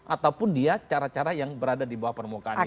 ataupun dia cara cara yang berada di bawah permukaannya